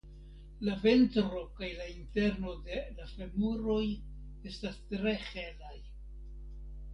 La ventro kaj la interno de la femuroj estas tre helaj.